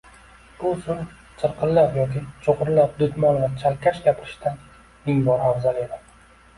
bu usul chirqillab yoki chug‘urlab dudmol va chalkash gapirishdan ming bor afzal edi.